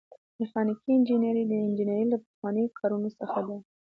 میخانیکي انجنیری د انجنیری له پخوانیو کارونو څخه ده.